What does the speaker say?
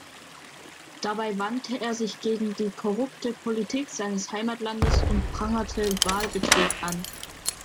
Dabei wandte er sich gegen die korrupte Politik seines Heimatlandes und prangerte Wahlbetrug an.